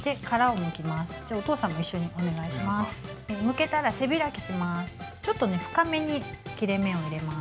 むけたら背開きします。